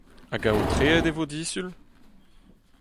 Hag aotreet e vo disul ?